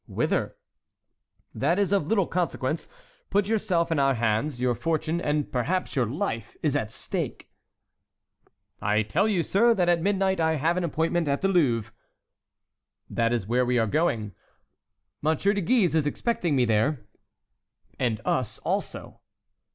"Whither?" "That is of little consequence—put yourself in our hands; your fortune, and perhaps your life, is at stake." "I tell you, sir, that at midnight I have an appointment at the Louvre." "That is where we are going." "Monsieur de Guise is expecting me there." "And us also."